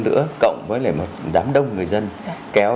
nữa cộng với lại một đám đông người dân kéo